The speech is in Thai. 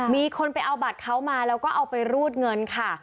มีคนไปเอาบัตรเขามาแล้วก็เอาไปรูดเงินค่ะ